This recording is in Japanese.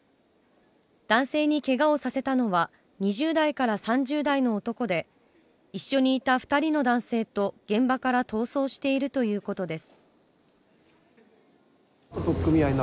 男性にけがをさせたのは２０代から３０代の男で一緒にいた二人の男性と現場から逃走しているということです